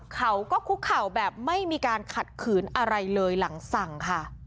เขาก็คุกเข่าแบบไม่มีการขัดขืนอะไรเลยหลังสั่งค่ะ